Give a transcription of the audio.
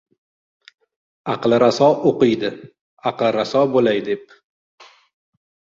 Aqli raso o‘qiydi, aqli raso bo‘lay, deb